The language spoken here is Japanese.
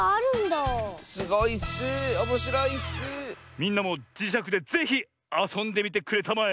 みんなもじしゃくでぜひあそんでみてくれたまえ。